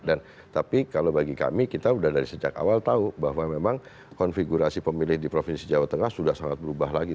dan tapi kalau bagi kami kita sudah dari sejak awal tahu bahwa memang konfigurasi pemilih di provinsi jawa tengah sudah sangat berubah lagi